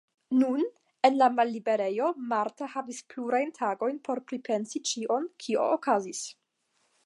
Nun, en la malliberejo, Marta havis plurajn tagojn por pripensi ĉion, kio okazis.